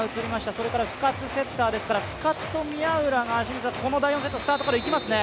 それから深津セッターですから深津と宮浦が第４セットスタートからいきますね。